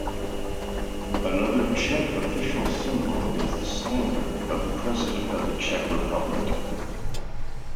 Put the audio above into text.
Another Czech official symbol is the Standard of the President of the Czech Republic.